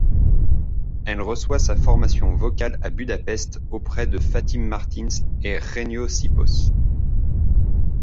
Elle reçoit sa formation vocale à Budapest auprès de Fatime Martins et Jenő Sipos.